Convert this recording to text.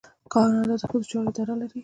کاناډا د ښځو چارو اداره لري.